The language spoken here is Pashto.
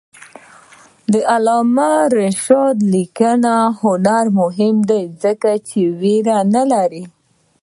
د علامه رشاد لیکنی هنر مهم دی ځکه چې ویره نه لري.